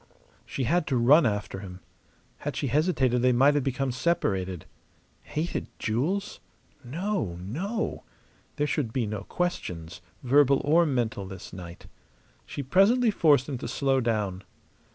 She had to run after him. Had she hesitated they might have become separated. Hated jewels? No, no! There should be no questions, verbal or mental, this night. She presently forced him to slow down.